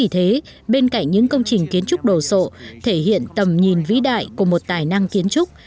vì thế bên cạnh những công trình kiến trúc đồ sộ thể hiện tầm nhìn vĩ đại của một tài năng kiến trúc